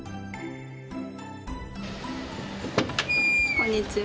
こんにちは。